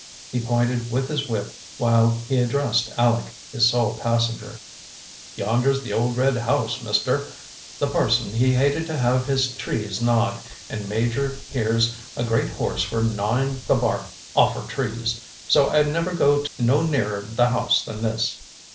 He pointed with his whip while he addressed Aleck, his sole passenger. "Yonder's the old red house, Mister. The parson, he hated to have his trees gnawed, and Major here's a great horse for gnawing the bark offer trees. So I never go no nearer the house than this."